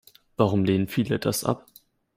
Warum lehnen viele das ab?